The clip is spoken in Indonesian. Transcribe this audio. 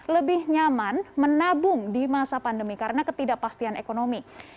lebih nyaman menabung di masa pandemi karena ketidakpastian ekonomi